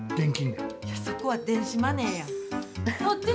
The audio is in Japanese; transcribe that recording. いや、そこは電子マネーや。